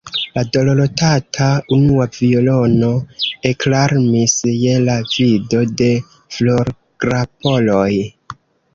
La dorlotata unua violono eklarmis je la vido de florgrapoloj.